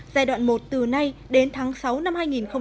giai đoạn một từ nay đến tháng sáu năm hai nghìn hai mươi